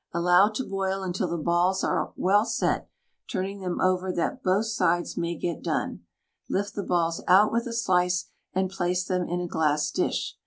Allow to boil until the balls are well set, turning them over that both sides may get done. Lift the balls out with a slice, and place them in a glass dish.